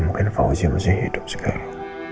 mungkin pak fauzi masih hidup sekali